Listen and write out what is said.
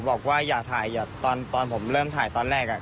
บอกว่าอย่าถ่ายอย่าตอนผมเริ่มถ่ายตอนแรก